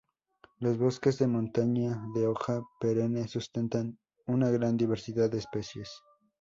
Los bosques de montaña de hoja perenne sustentan una gran diversidad de especies.